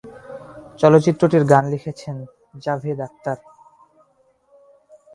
চলচ্চিত্রটির গান লিখেছেন জাভেদ আখতার।